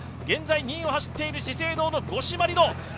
現在２位を走っている資生堂の五島莉乃。